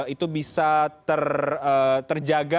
itu bisa terjaga